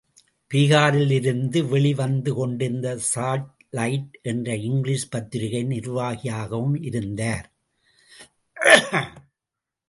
பீகாரிலிருந்து வெளிவந்து கொண்டிருந்த searchlight என்ற இங்கிலீஷ் பத்திரிகையின் நிர்வாகியாகவும் இருந்தார்.